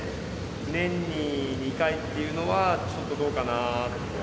年に２回っていうのは、ちょっとどうかなとは。